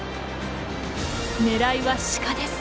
狙いはシカです。